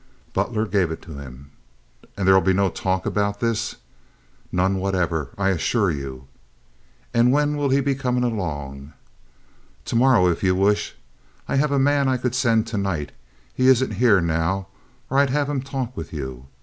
Butler gave it to him. "And there'll be no talk about this?" "None whatever—I assure you." "And when'll he be comin' along?" "To morrow, if you wish. I have a man I could send to night. He isn't here now or I'd have him talk with you.